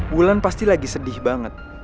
wulan pasti lagi sedih banget